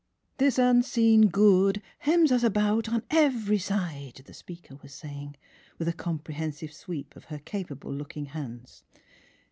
"This unseen Good hems us about on every side, the speaker was saying, with a 10 The Transfiguration of comprehensive sweep of her capable looking hands.